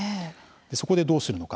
そこでどうするのか。